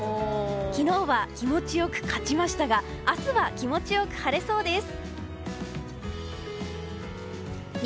昨日は、気持ちよく勝ちましたが明日は、気持ちよく晴れそうです。